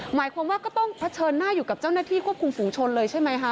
หมายความว่าก็ต้องเผชิญหน้าอยู่กับเจ้าหน้าที่ควบคุมฝูงชนเลยใช่ไหมคะ